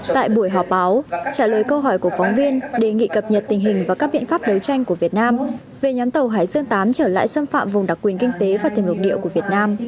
tại buổi họp báo trả lời câu hỏi của phóng viên đề nghị cập nhật tình hình và các biện pháp đấu tranh của việt nam về nhóm tàu hải dương viii trở lại xâm phạm vùng đặc quyền kinh tế và thềm lục địa của việt nam